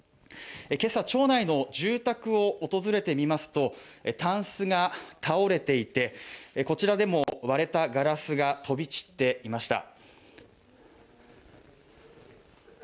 今朝町内の住宅を訪れてみますとたんすが倒れていてこちらでも割れたガラスが飛び散っていました